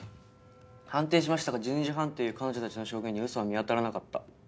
判定しましたが１２時半という彼女たちの証言にウソは見当たらなかった。